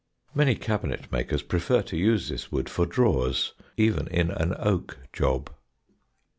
Many cabinetmakers prefer to use this wood for drawers, even in an oak job.